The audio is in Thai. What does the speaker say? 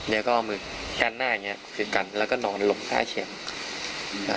เดี๋ยวก็เอามือกันหน้าอย่างนี้คือกันแล้วก็นอนลงท้าเฉียบ